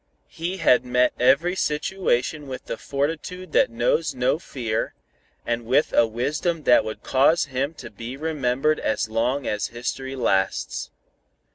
He had met every situation with the fortitude that knows no fear, and with a wisdom that would cause him to be remembered as long as history lasts.